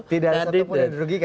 tidak ada satu politik